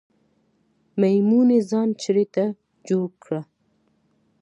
میمونۍ ځان چړې ته جوړ که